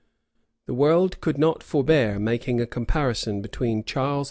The world could not forbear making a comparison between Charles V.